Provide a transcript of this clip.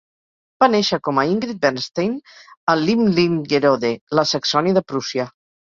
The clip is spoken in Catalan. Va néixer com a Ingrid Bernstein a Limlingerode, la Saxònia de Prússia.